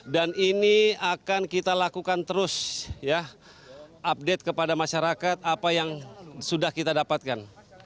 dan ini akan kita lakukan terus ya update kepada masyarakat apa yang sudah kita dapatkan